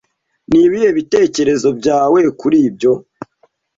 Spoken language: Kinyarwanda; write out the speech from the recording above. Ni ibihe bitekerezo byawe kuri ibyo?